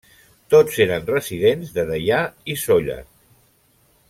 Tots eren residents de Deià i Sóller.